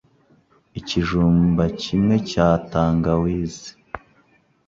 Ikijumba kimwe cya tangawizi